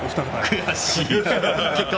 悔しい。